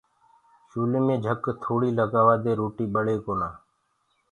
چوليٚ مي جھَڪ ٿوڙيٚ لگآوآدي روٽيٚ ٻݪي ڪونآ